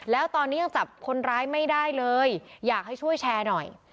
แล้วตอนนี้ยังจับคนร้ายไม่ได้เลยอยากให้ช่วยแชร์หน่อย